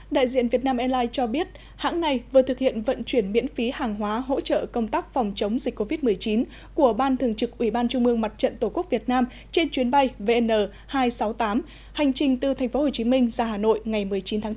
đại diện việt nam airlines cho biết hãng này vừa thực hiện vận chuyển miễn phí hàng hóa hỗ trợ công tác phòng chống dịch covid một mươi chín của ban thường trực ủy ban trung mương mặt trận tổ quốc việt nam trên chuyến bay vn hai trăm sáu mươi tám hành trình từ tp hcm ra hà nội ngày một mươi chín tháng bốn